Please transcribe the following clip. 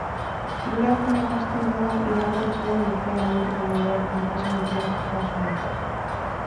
Duela zenbait aste jada iragarri zuen urtea amaitu baino lehen enpresa likidatzeko asmoa.